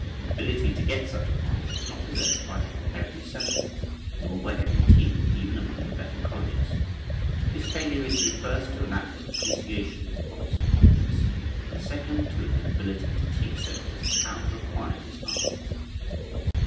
Ability to get such a pass is not possessed by every center, nor by every team even among the better colleges. This failure is due first to a lack of appreciation of its importance, and second to an inability to teach centers how to acquire this art.